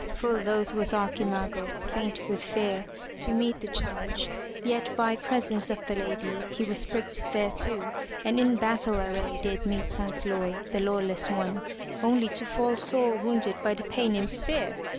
Full loath was Archimago, faint with fear, to meet the charge, yet by presence of the lady, he was pricked thereto and in battle array did meet Sansloy, the lawless one, only to fall sore wounded by the Paynim's spear.